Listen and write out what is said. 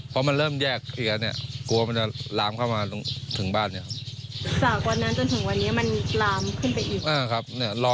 ครับลอยก็มันก็ลามขึ้นนะครับ